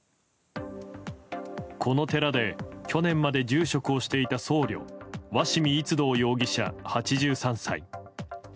この寺で去年まで住職をしていた僧侶鷲見一道容疑者、８３歳。